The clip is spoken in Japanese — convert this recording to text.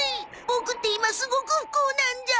ボクって今すごく不幸なんじゃ。